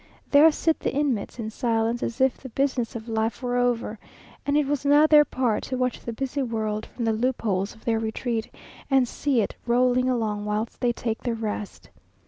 There sit the inmates in silence, as if the business of life were over, and it was now their part to watch the busy world from the loopholes of their retreat, and see it rolling along whilst they take their rest.